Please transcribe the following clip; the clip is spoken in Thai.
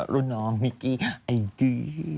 รุ่นน้องมิกกี้ไอ้กื้อ